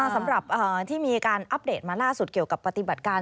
สำหรับที่มีการอัปเดตมาล่าสุดเกี่ยวกับปฏิบัติการ